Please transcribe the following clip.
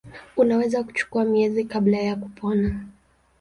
Unaweza kuchukua miezi kabla ya kupona.